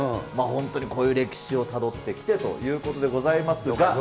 本当にこういう歴史をたどってきてということでございますが。